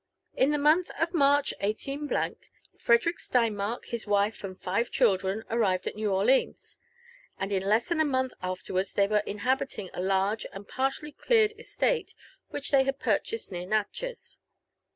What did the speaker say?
In the month of March, 18 —, Frederick Steinmark, his wife and five children, arrived at New Orleans ; and in less than a month after wards they were inhabiting a large and partially cleared estate which they had purchased near Natchez.